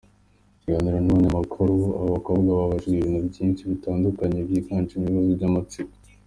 Mu kiganiro n’abanyamakuru, aba bakobwa babajijwe ibintu byinshi bitandukanye byiganjemo ibibazo by’amatsiko.